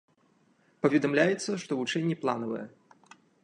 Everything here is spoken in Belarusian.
Паведамляецца, што вучэнні планавыя.